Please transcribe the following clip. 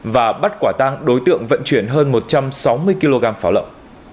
và bắt quả tang đối tượng vận chuyển hơn một trăm sáu mươi kg pháo lậu